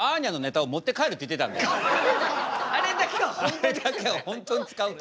あれだけは本当に使うと。